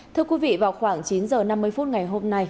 thưa quý vị vào khoảng chín h năm mươi phút ngày hôm nay